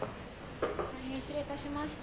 大変失礼いたしました。